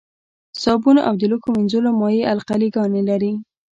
صابون او د لوښو مینځلو مایع القلي ګانې لري.